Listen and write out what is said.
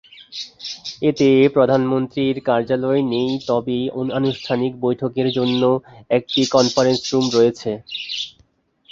এতে প্রধানমন্ত্রীর কার্যালয় নেই তবে আনুষ্ঠানিক বৈঠকের জন্য একটি কনফারেন্স রুম রয়েছে।